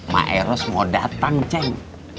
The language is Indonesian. maeros mau datang ceng